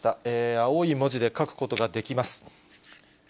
青い文字で書くことができます。